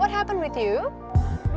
apa yang terjadi sama kamu